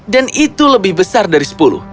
dan itu lebih besar dari sepuluh